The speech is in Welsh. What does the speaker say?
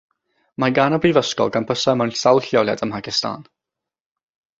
Mae gan y brifysgol gampysau mewn sawl lleoliad ym Mhacistan.